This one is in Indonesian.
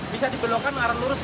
bisa dibelokan arah lurus